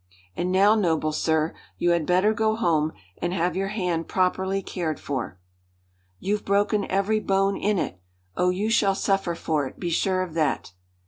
And now, noble sir, you had better go home and have your hand properly cared for." "You've broken every bone in it! Oh, you shall suffer for it, be sure of that!"